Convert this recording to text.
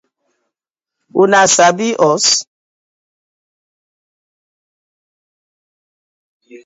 Una sabi os?